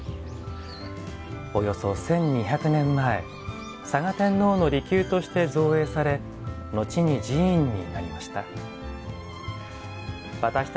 およそ１２００年前嵯峨天皇の離宮として造営され、後に寺院になりました。